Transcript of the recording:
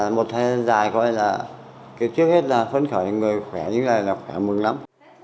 một thời gian dài coi là trước hết là phân khỏi người khỏe như thế này là khỏe mừng lắm